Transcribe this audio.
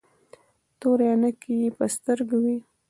تورې عينکې يې په سترګو وې.